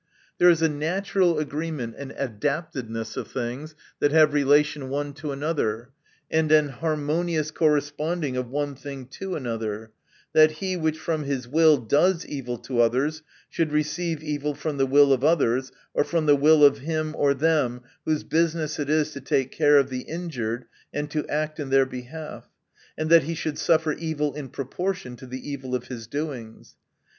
There is a natural agreement and adaptedness of things that have relation one to another, and a harmonious corresponding of one thing to another : that he who from his will does evil to others, should receive evil from the will of others, or from the will of him or them whose business it is to take care of the injured, and to act in their behalf : and that he should suffer evil in proportion to the evil of his doings.